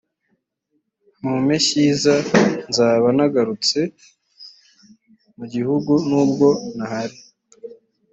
mu mpeshyiza nzaba nagarutse mu gihugu nubwo ntahari